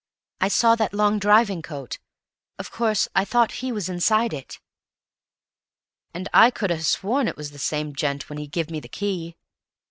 "I saw that long driving coat; of course, I thought he was inside it." "And I could ha' sworn it was the same gent when he give me the key!"